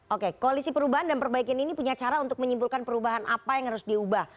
oke koalisi perubahan dan perbaikan ini punya cara untuk menyimpulkan perubahan apa yang harus diubah